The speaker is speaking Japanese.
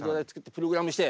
プログラムして。